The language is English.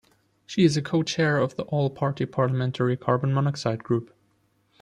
She is a co-Chair of the All-Party Parliamentary Carbon Monoxide Group.